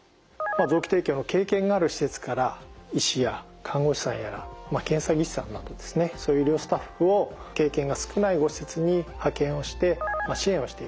臓器提供の経験がある施設から医師や看護師さんやら検査技師さんなどをですねそういう医療スタッフを経験が少ない施設に派遣をして支援をしていると。